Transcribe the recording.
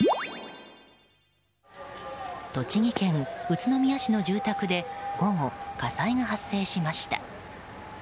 栃木県宇都宮市の住宅で午後火災が発生しました。